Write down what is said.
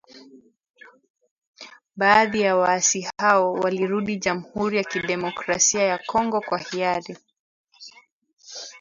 Baadhi ya waasi hao walirudi Jamhuri ya kidemokrasia ya Kongo kwa hiari.